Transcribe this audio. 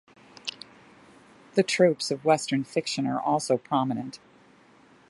The tropes of Western fiction are also prominent.